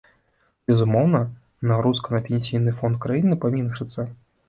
Безумоўна, нагрузка на пенсійны фонд краіны паменшыцца.